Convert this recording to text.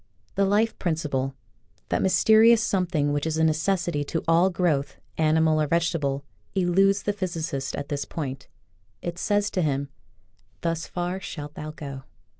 The life prin ciple — that mysterious something which is a necessity to all growth, animal or vegetable, eludes the physicist at this point. It says to him :" Thus far shalt thou go."